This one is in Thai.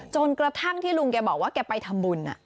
จนกระทั่งที่ลุงแกบอกว่าแกไปทำบุญ